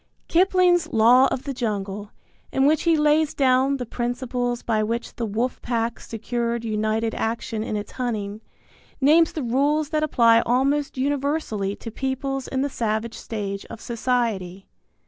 Kipling's Law of the Jungle, in which he lays down the principles by which the wolf pack secured united action in its hunting, names the rules that apply almost universally to peoples in the savage stage of society.